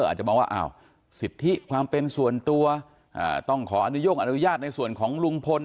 อาจจะมองว่าสิทธิความเป็นส่วนตัวต้องขออนุญาตอนุญาตในส่วนของลุงพล